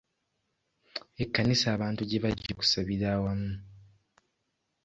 Ekkanisa abantu gye bajja okusabira awamu.